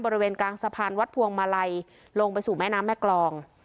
บริเวณกลางสะพานวัดพวงมาลัยลงไปสู่แม่น้ำแม่กรอง